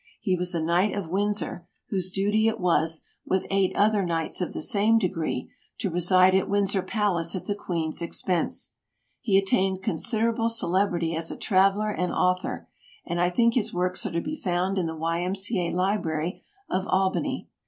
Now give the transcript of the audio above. He was a Knight of Windsor, whose duty it was, with eight other knights of the same degree, to reside at Windsor Palace at the Queen's expense. He attained considerable celeb rity as a traveler and author, and I think his works are to be found in the Y. M. C. A. library of Albany.